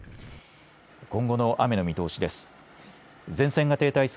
今後の雨の見通しです。